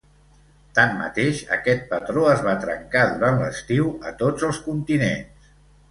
Tanmateix, aquest patró es va trencar durant l’estiu a tots els continents.